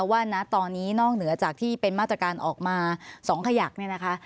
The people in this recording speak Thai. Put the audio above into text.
ว่านะตอนนี้นอกเหนือจากที่เป็นมาตรการออกมา๒ขยักเนี่ยนะคะ